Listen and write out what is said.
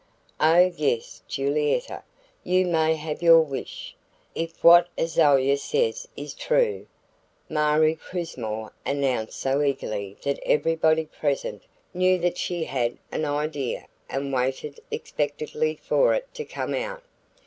"Oh, yes, Julietta, you may have your wish, if what Azalia says is true," Marie Crismore announced so eagerly that everybody present knew that she had an idea and waited expectantly for it to come out.